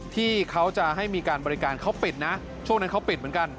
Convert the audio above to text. ที่เขาจะให้มีการบริการเขาปิดนะช่วงนั้นเขาปิดเหมือนกัน